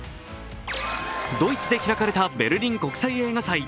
ドイツで開かれたベルリン国際映画祭。